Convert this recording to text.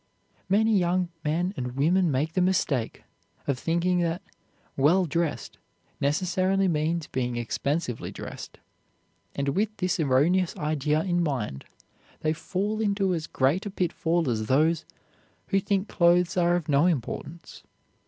Many young men and women make the mistake of thinking that "well dressed" necessarily means being expensively dressed, and, with this erroneous idea in mind, they fall into as great a pitfall as those who think clothes are of no importance.